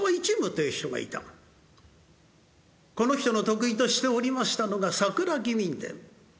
この人の得意としておりましたのが「佐倉義民伝」。